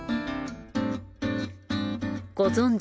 ご存じ